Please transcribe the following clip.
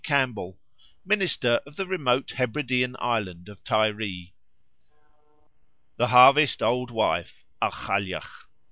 Campbell, minister of the remote Hebridean island of Tiree: "The Harvest Old Wife (a Cailleach).